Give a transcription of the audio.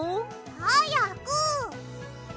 はやく。